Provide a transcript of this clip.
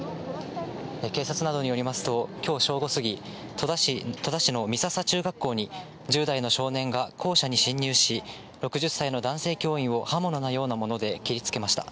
警察などによりますと、きょう正午過ぎ、戸田市の美笹中学校に１０代の少年が校舎に侵入し、６０歳の男性教員を刃物のようなもので切りつけました。